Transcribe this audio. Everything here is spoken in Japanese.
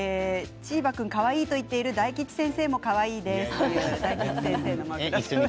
チーバくんかわいいと言っている大吉先生もかわいいね。